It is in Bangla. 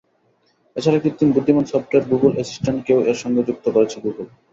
এ ছাড়া কৃত্রিম বুদ্ধিমান সফটওয়্যার গুগল অ্যাসিস্ট্যান্টকেও এর সঙ্গে যুক্ত করেছে গুগল।